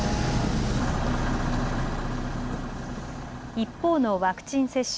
一方のワクチン接種。